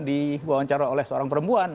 diwawancara oleh seorang perempuan